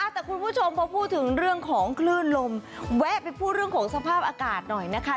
แต่คุณผู้ชมพอพูดถึงเรื่องของคลื่นลมแวะไปพูดเรื่องของสภาพอากาศหน่อยนะคะ